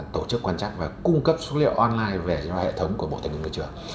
tổ chức quan trắc và cung cấp số liệu online về hệ thống của bộ tài nguyên ngoại trưởng